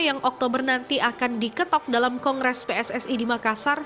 yang oktober nanti akan diketok dalam kongres pssi di makassar